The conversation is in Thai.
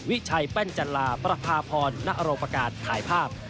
วิชัยแป้นจันลาประพาพรนโรปการถ่ายภาพ